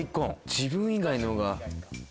自分以外のほうが。